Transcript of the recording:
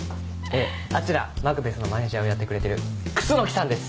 あちらマクベスのマネジャーをやってくれてる楠木さんです。